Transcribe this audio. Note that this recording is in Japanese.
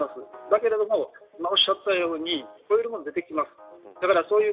だけど、おっしゃったように超えるものも出てきます。